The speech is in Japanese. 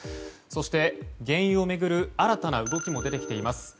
そして、原油を巡る新たな動きも出てきています。